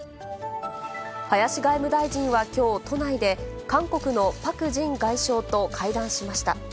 林外務大臣はきょう、都内で韓国のパク・ジン外相と会談しました。